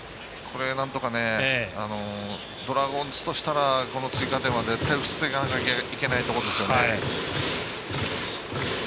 なんとかドラゴンズとしたらこの追加点は絶対に防がなきゃいけないと思うんですよね。